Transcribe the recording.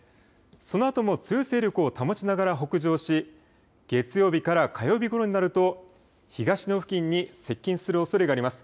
そのあとも強い勢力を保ちながら北上し月曜日から火曜日ごろになると東の付近に接近するおそれがあります。